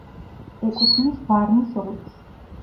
ეკუთნის ვარნის ოლქს.